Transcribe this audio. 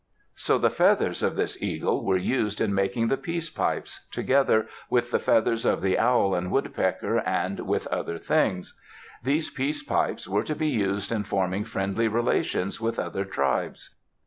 So the feathers of this eagle were used in making the peace pipes, together with the feathers of the owl and woodpecker, and with other things. These peace pipes were to be used in forming friendly relations with other tribes.